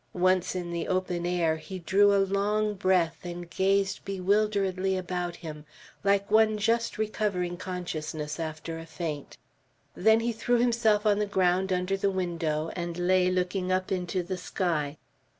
Once in the open air, he drew a long breath, and gazed bewilderedly about him, like one just recovering consciousness after a faint. Then he threw himself on the ground under the window, and lay looking up into the sky.